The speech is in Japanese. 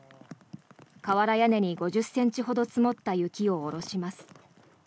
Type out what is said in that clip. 瓦屋根に５０ｃｍほど積もった雪を下ろします。